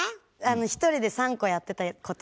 １人で３個やってたこと。